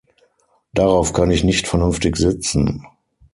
Darauf kann ich nicht vernünftig sitzen.